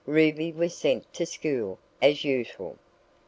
Ruby was sent to school, as usual.